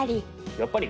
やっぱり？